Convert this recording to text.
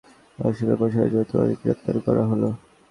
অশালীন পোশাকের জন্য তোমাকে গ্রেপ্তার করা হলো।